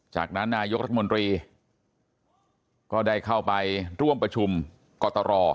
จากนั้นนายกรัฐมนตรีก็ได้เข้าไปร่วมประชุมกตร